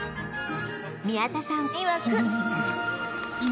宮田さんいわく